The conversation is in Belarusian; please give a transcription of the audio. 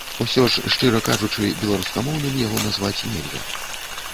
Усё ж, шчыра кажучы, беларускамоўным яго назваць нельга.